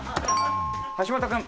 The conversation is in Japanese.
橋本君。